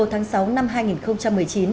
một mươi một tháng sáu năm hai nghìn một mươi chín